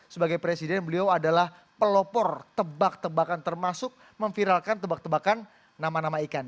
sebagai presiden beliau adalah pelopor tebak tebakan termasuk memviralkan tebak tebakan nama nama ikan